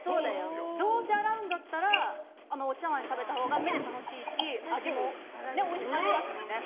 どうせ洗うんだったらお茶わんで食べたほうが目で楽しいし味もおいしくなりますもんね。